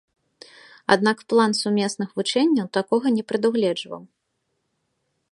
Аднак план сумесных вучэнняў такога не прадугледжваў.